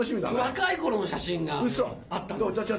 若い頃の写真があったんです。